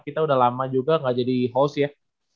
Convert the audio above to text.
kita udah lama juga gak jadi host ya